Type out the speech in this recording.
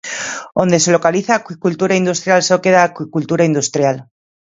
Onde se localiza a acuicultura industrial só queda acuicultura industrial.